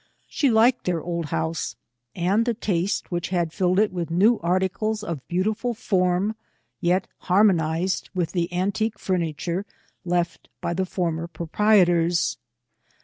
She liked their old house, and the taste which had filled it with new articles of beautiful form, yet harmonized with the antique furniture left by the former proprietors.